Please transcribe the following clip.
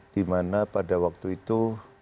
di mana pada waktu itu